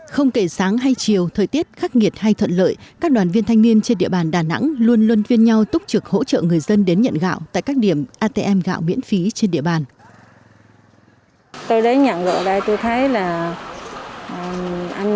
không kể sáng hay chiều thời tiết khắc nghiệt hay thuận lợi các đoàn viên thanh niên trên địa bàn đà nẵng luôn luôn viên nhau túc trực hỗ trợ người dân đến nhận gạo tại các điểm atm gạo miễn phí trên địa bàn